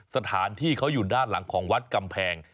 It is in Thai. สถานที่เขาอยู่ด้านหลังของวัดกำแพง